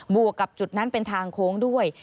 วกกับจุดนั้นเป็นทางโค้งด้วย